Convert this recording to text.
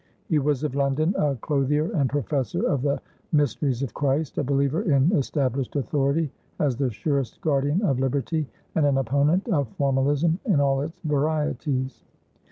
He was of London, "a clothier and professor of the misteries of Christ," a believer in established authority as the surest guardian of liberty, and an opponent of formalism in all its varieties.